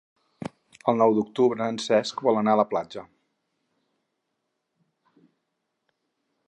El nou d'octubre en Cesc vol anar a la platja.